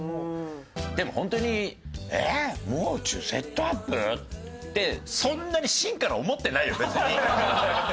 でもホントに「えっ？もう中セットアップ？」ってそんなにしんから思ってないよ別に。